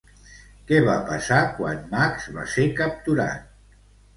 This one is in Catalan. Què va passar quan Max va ser capturat?